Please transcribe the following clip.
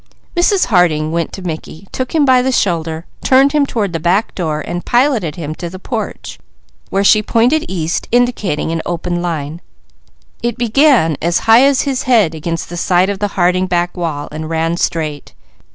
Mrs. Harding went to Mickey, took him by the shoulder, turned him toward the back door and piloted him to the porch, where she pointed east indicating an open line. It began as high as his head against the side of the Harding back wall and ran straight.